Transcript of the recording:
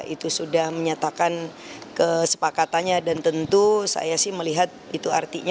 itu sudah menyatakan kesepakatannya dan tentu saya sih melihat itu artinya